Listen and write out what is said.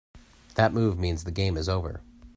That move means the game is over.